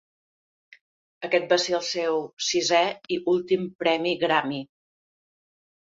Aquest va ser el seu sisè i últim premi Grammy.